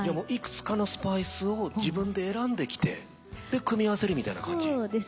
幾つかのスパイスを自分で選んできてで組み合わせるみたいな感じ？